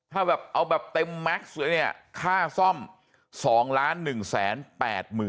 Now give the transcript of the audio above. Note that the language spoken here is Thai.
ถ้าแบบเอาแบบเต็มแม็กซ์เลยเนี่ยค่าซ่อม๒๑๘๐๐๐